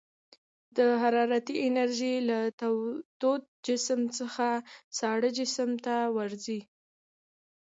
د حرارتي انرژي له تود جسم څخه ساړه جسم ته ورځي.